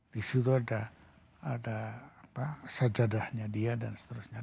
di situ ada sajadahnya dia dan seterusnya